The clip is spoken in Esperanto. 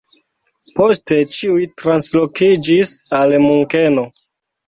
Poste ĉiuj translokiĝis al Munkeno.